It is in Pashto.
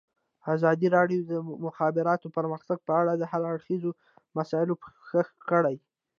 ازادي راډیو د د مخابراتو پرمختګ په اړه د هر اړخیزو مسایلو پوښښ کړی.